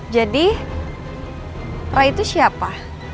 jadi roy itu siapa